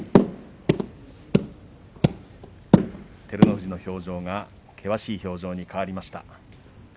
照ノ富士の表情が険しい表情に変わりました。